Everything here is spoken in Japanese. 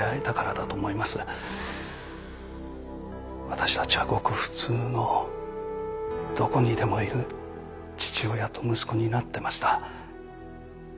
私たちはごく普通のどこにでもいる父親と息子になってました。